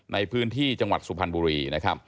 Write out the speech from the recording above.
ในพื้นที่จังหวัดสุพรรณบุรี